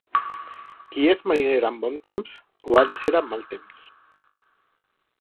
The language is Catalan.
Qui és mariner amb bon temps, ho ha de ser amb mal temps.